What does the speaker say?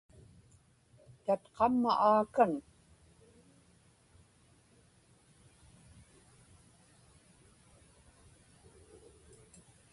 tatqamma aakan